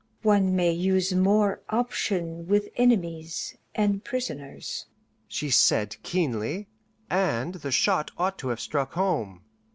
"One may use more option with enemies and prisoners," she said keenly, and the shot ought to have struck home.